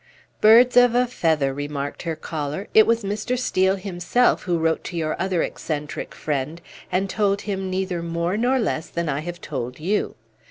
"Birds of a feather," remarked her caller: "it was Mr. Steel himself who wrote to your other eccentric friend, and told him neither more nor less than I have told you.